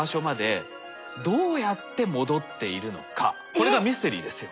これがミステリーですよ。